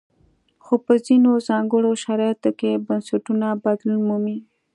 خو په ځینو ځانګړو شرایطو کې بنسټونه بدلون مومي.